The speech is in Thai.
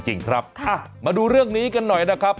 จริงครับมาดูเรื่องนี้กันหน่อยนะครับ